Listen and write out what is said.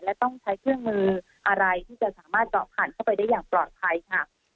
และต้องใช้เครื่องมืออะไรที่จะสามารถเจาะผ่านเข้าไปได้อย่างปลอดภัยค่ะ